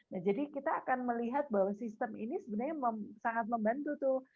nah jadi kita akan melihat bahwa sistem ini sebenarnya sangat membantu tuh